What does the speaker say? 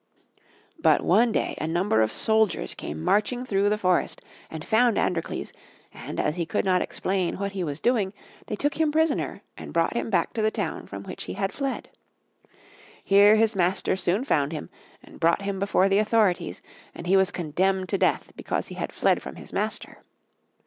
But one day a number of soldiers came marching through the forest and found Androcles, and as he could not explain what he was doing they took him prisoner and brought him back to the town from which he had fled. Here his master soon found him and brought him before the authorities, and he was condemned to death because he had fled from his master.